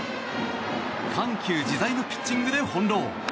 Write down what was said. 緩急自在のピッチングでほんろう。